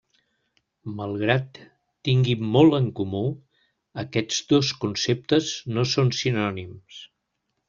Malgrat tinguin molt en comú, aquests dos conceptes no són sinònims.